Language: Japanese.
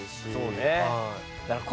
そうね。